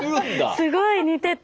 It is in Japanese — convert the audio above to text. すごい似てて。